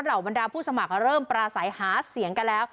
บรรดาผู้สมัครเริ่มปราศัยหาเสียงกันแล้ว